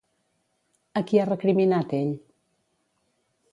A qui ha recriminat ell?